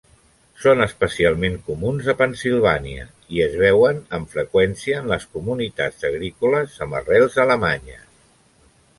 Són especialment comuns a Pennsilvània i es veuen amb freqüència en les comunitats agrícoles amb arrels alemanyes.